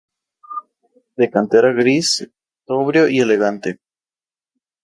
De cantera gris, sobrio y elegante.